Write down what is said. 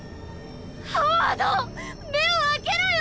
ハワード目を開けろよ